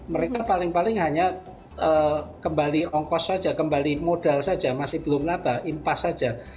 mereka paling paling hanya kembali ongkos saja kembali modal saja masih belum laba